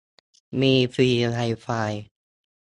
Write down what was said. มีฟรีไวไฟ